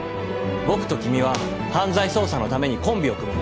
僕と君は犯罪捜査のためにコンビを組むんだ。